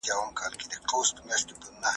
هغه د غزني په قره باغ ولسوالۍ کې زېږېدلی و.